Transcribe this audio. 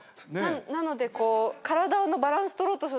なので。